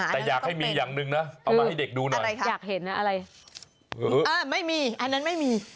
แต่อยากให้มีอย่างหนึ่งนะเอามาให้เด็กดูหน่อยอยากเห็นอะไรไม่มีอันนั้นไม่มี